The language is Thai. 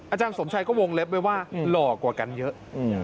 อาจารย์สมชัยก็วงเล็บไว้ว่าหล่อกว่ากันเยอะ